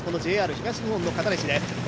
ＪＲ東日本の片西です。